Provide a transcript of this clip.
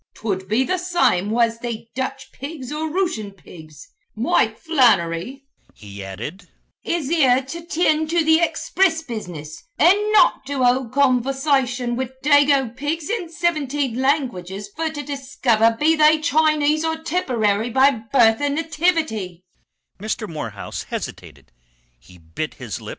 'Twould be the same was they Dutch pigs or Rooshun pigs. Mike Flannery," he added, "is here to tind to the expriss business and not to hould conversation wid dago pigs in sivinteen languages fer to discover be they Chinese or Tipperary by birth an' nativity."